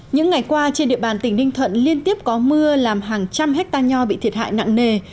những ngày qua trên địa bàn tỉnh ninh thuận liên tiếp có mưa làm hàng trăm hectare nho bị thiệt hại nặng nề